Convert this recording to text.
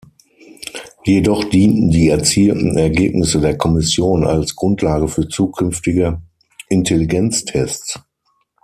Jedoch dienten die erzielten Ergebnisse der Kommission als Grundlage für zukünftige Intelligenztests.